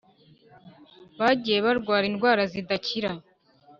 bagiye barwara indwara zidakira.